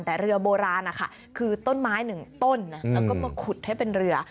แต่เรือโบราณนะคะคือต้นไม้หนึ่งต้นแล้วก็มาขุดให้เป็นเรือ